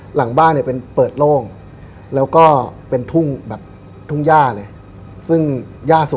หลังบ้านเปิดโล่งแล้วก็เป็นทุ่งหญ้าเลย